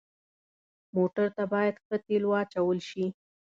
موټر ته باید ښه تیلو واچول شي.